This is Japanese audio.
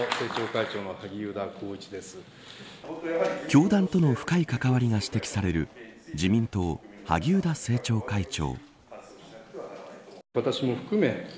教団との深い関わりが指摘される自民党、萩生田政調会長。